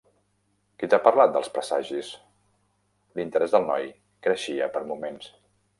"Qui t'ha parlat dels presagis?". L'interès del noi creixia per moments.